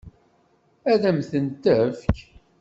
Ad m-ten-tefk?